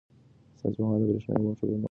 ساینس پوهان د بریښنايي موټرو په اړه کار کوي.